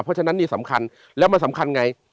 เพราะฉะนั้นนี่สำคัญแล้วมันสำคัญไง